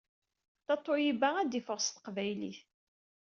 Tatoeba ad d-iffeɣ s teqbaylit